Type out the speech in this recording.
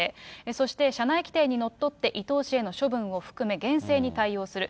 そして、社内規定にのっとって、伊東氏への処分を含め、厳正に対応する。